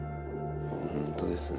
本当ですね。